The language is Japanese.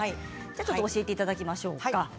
ちょっと教えていただきましょうか。